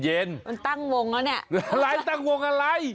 มันตั้งวงแล้วเนี่ยอะไรตั้งวงอะไร